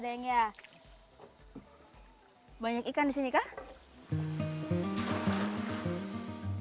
deng gasing harus melempar jala berkali kali karena perahu ini tidak bisa dikawal